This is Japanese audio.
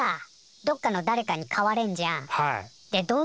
どっかのだれかに買われんじゃん？